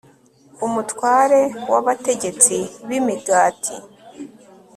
umutware w abatetsi b imigati